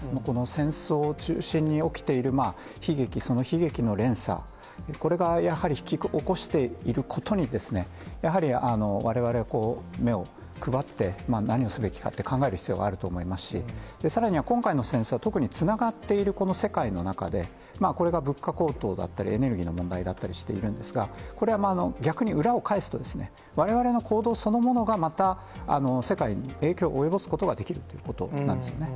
戦争を中心に起きている悲劇、その悲劇の連鎖、これがやはり引き起こしていることに、やはり、われわれは目を配って、何をすべきかって考える必要があると思いますし、さらには今回の戦争は、特につながっているこの世界の中で、これが物価高騰だったり、エネルギーの問題だったりしているんですが、これは逆に裏を返すと、われわれの行動そのものが、また世界に影響を及ぼすことができるということなんですよね。